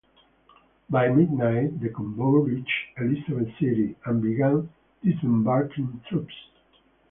By midnight, the convoy reached Elizabeth City and began disembarking troops.